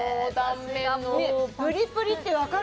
プリプリって分かる。